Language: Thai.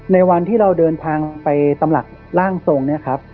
ในวันที่เราเดินทางไปตำหลักล่างทรง